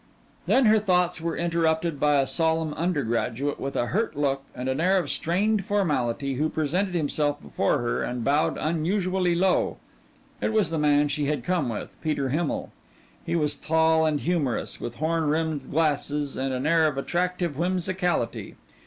Then her thoughts were interrupted by a solemn undergraduate with a hurt look and an air of strained formality who presented himself before her and bowed unusually low. It was the man she had come with, Peter Himmel. He was tall and humorous, with horned rimmed glasses and an air of attractive whimsicality.